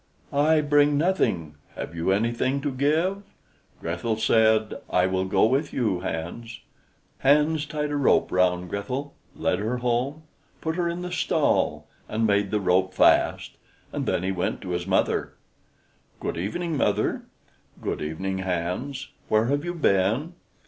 "I bring nothing. Have you anything to give?" Grethel said: "I will go with you, Hans." Hans tied a rope round Grethel, led her home, put her in the stall, and made the rope fast; and then he went to his mother. "Good evening, mother." "Good evening, Hans. Where have you been?"